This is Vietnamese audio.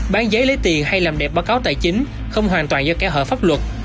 bán giấy lấy tiền hay làm đẹp báo cáo tài chính không hoàn toàn do kẻ hở pháp luật